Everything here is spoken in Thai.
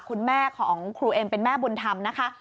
คุณแม่ของครูเอ็มเป็นแม่บุญธรรมนะคะ